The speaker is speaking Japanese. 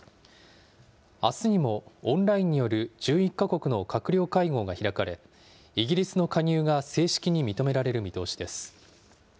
あすにもオンラインによる１１か国の閣僚会合が開かれ、イギリスの加入が正式に認められる見通しです。